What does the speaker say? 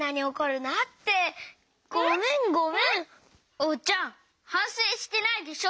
おうちゃんはんせいしてないでしょ。